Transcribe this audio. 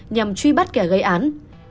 nhằm truy bắt kẻ gây án